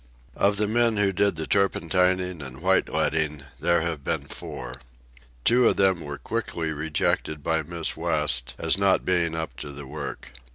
Of the men who did the turpentining and white leading there have been four. Two of them were quickly rejected by Miss West as not being up to the work.